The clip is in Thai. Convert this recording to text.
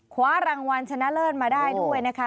คว้ารางวัลชนะเลิศมาได้ด้วยนะคะ